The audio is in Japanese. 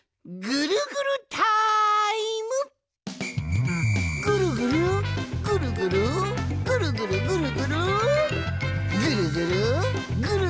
「ぐるぐるぐるぐるぐるぐるぐるぐる」